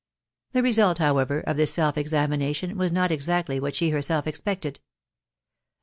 The result, however, of this selfwexamination was .not ex actly what she herself expected* At.